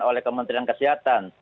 oleh kementerian kesehatan